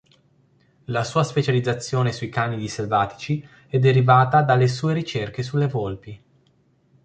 La sua specializzazione sui canidi selvatici è derivata dalle sue ricerche sulle volpi.